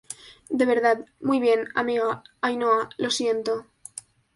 de verdad, muy bien, amiga. Ainhoa, lo siento.